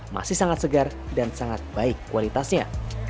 masih sangat segar dan sangat baik kualitasnya